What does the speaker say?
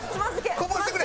こぼしてくれ！